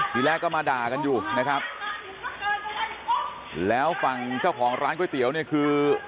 ทีแรกก็มาด่ากันอยู่นะครับแล้วฝั่งเจ้าของร้านก๋วยเตี๋ยวเนี่ยคือ